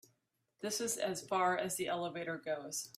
This is as far as the elevator goes.